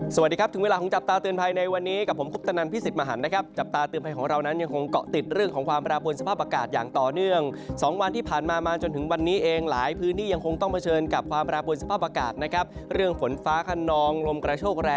สวัสดีครับถึงเวลาของจับตาเตือนภัยในวันนี้กับผมคุปตนันพิสิทธิมหันนะครับจับตาเตือนภัยของเรานั้นยังคงเกาะติดเรื่องของความแปรปวนสภาพอากาศอย่างต่อเนื่อง๒วันที่ผ่านมามาจนถึงวันนี้เองหลายพื้นที่ยังคงต้องเผชิญกับความแปรปวนสภาพอากาศนะครับเรื่องฝนฟ้าขนองลมกระโชคแรง